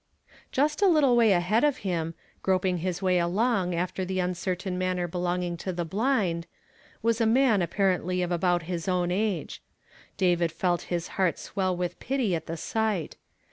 Just a little way ahead of him, groping his way along after the uncertain manner belonging to the blind, was a man apparently of about his own age. David felt his heart swell with pity at the sight.